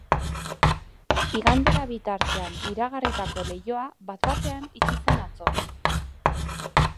Igandera bitartean iragarritako leihoa bat-batean itxi zen atzo.